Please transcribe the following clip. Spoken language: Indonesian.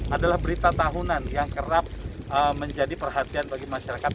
adalah berita tahunan yang kerap menjadi perhatian bagi masyarakat